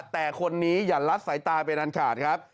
แต่คนนี้อย่าลัดสายตาเป็นอันขาดครับ